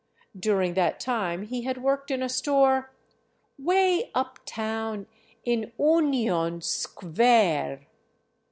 During that time he had worked in a store " way uptown in Oonion Sqvare."